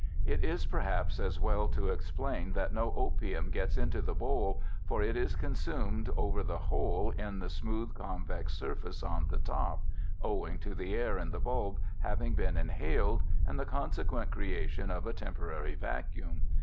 It is, perhaps, as well to explain that no opium gets into the bowl, for it is consumed over the hole in the smooth convex surface on the top, owing to the air in the bulb having been inhaled and the consequent creation of a temporary vacuum.